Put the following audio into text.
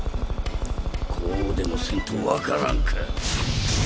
こうでもせんと分からんか？